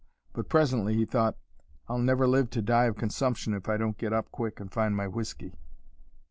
But presently he thought, "I'll never live to die of consumption if I don't get up quick and find my whiskey!"